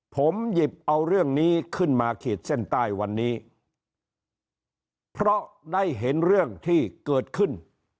ผมหยิบเอาเรื่องนี้ขึ้นมาขีดเส้นใต้วันนี้เพราะได้เห็นเรื่องที่เกิดขึ้น